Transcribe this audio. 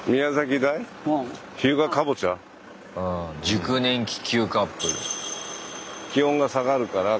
「熟年気球カップル」。